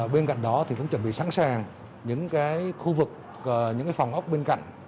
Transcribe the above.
bên cạnh đó thì cũng chuẩn bị sẵn sàng những cái khu vực những cái phòng ốc bên cạnh